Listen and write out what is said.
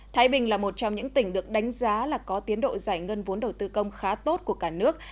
thái bình là một trong những tỉnh được đánh giá là có tiến độ giải ngân vốn đầu tư công khá tốt của cả nước